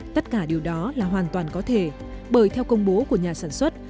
tất cả điều đó là hoàn toàn có thể bởi theo công bố của nhà sản xuất